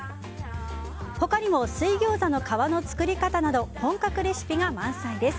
他にも水ギョーザの皮の作り方など本格レシピが満載です。